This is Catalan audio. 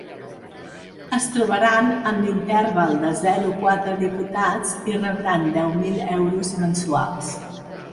Es trobaran en l’interval de zero-quatre diputats i rebran deu mil euros mensuals.